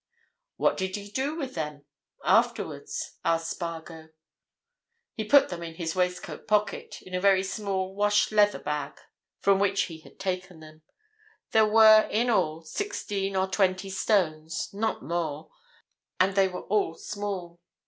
"What did he do with them—afterwards?" asked Spargo. "He put them in his waistcoat pocket—in a very small wash leather bag, from which he had taken them. There were, in all, sixteen or twenty stones—not more, and they were all small.